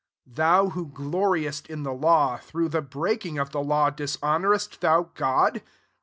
23 thou who gloriest in the law, through the breaking of the law dishonour est thou God